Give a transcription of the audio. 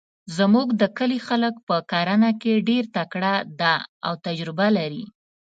زموږ د کلي خلک په کرنه کې ډیرتکړه ده او تجربه لري